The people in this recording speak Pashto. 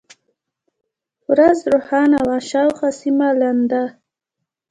ورځ روښانه وه، شاوخوا سیمه لنده.